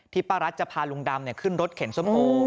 ป้ารัฐจะพาลุงดำขึ้นรถเข็นส้มโอ